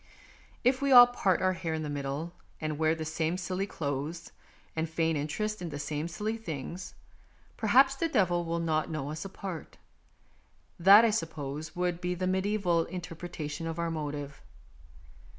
If we all part our hair in the middle, and wear the same silly clothes, and feign interest in the same silly things, perhaps the devil will not know us apart ; that, I suppose, would be the mediseval interpretation of our motive.